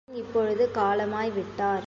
இச்சீமான் இப்பொழுது காலமாய் விட்டார்.